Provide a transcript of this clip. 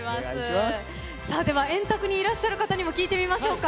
では、円卓にいらっしゃる方にも聞いてみましょうか。